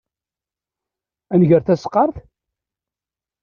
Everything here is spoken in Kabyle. Ad nger taseqqart?